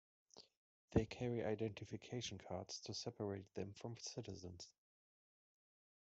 They carry identification cards to separate them from Citizens.